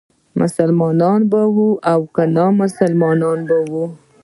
مسلمان به وي او که نامسلمان به وي.